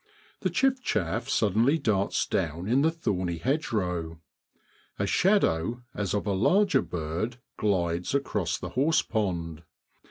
The chiff chaff suddenly darts down in the thorny hedgerow. A shadow as of a larger bird glides across the horsepond.